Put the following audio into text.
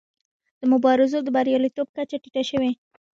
د مبارزو د بریالیتوب کچه ټیټه شوې.